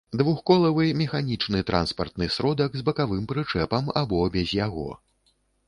двухколавы механiчны транспартны сродак з бакавым прычэпам або без яго